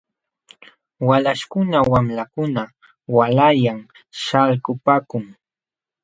Walaśhkuna wamlakuna waalayllam śhalkupaakun .